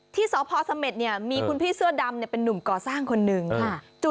ที่สพสมมีคุณพี่เสื้อดำเป็นนุ่มก่อสร้างคนนึงค่ะ